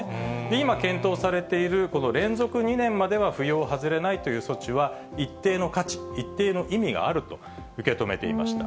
今、検討されている、この連続２年までは扶養外れないという措置は、一定の価値、一定の意味があると受け止めていました。